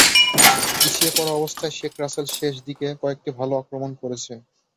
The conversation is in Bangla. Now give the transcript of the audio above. পিছিয়ে পড়া অবস্থায় শেখ রাসেল শেষ দিকে কয়েকটি ভালো আক্রমণ করেছে।